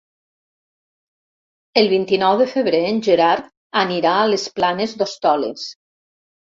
El vint-i-nou de febrer en Gerard anirà a les Planes d'Hostoles.